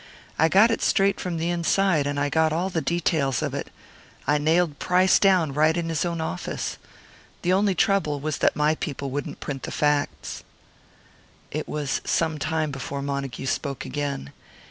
I got it straight from the inside, and I got all the details of it. I nailed Price down, right in his own office. The only trouble was that my people wouldn't print the facts." It was some time before Montague spoke again.